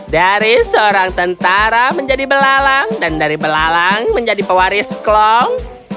dari seorang tentara menjadi belalang dan dari belalang menjadi pewaris klong